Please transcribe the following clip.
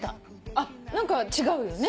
あっ何か違うよね。